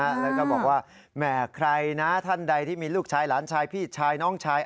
แล้วก็บอกว่าแหมใครนะท่านใดที่มีลูกชายหลานชายพี่ชายน้องชาย